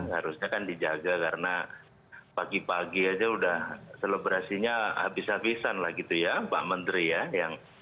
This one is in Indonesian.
harusnya kan dijaga karena pagi pagi aja udah selebrasinya habis habisan lah gitu ya pak menteri ya